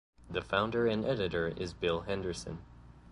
The founder and editor is Bill Henderson.